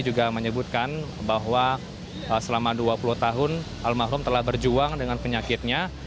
juga menyebutkan bahwa selama dua puluh tahun almarhum telah berjuang dengan penyakitnya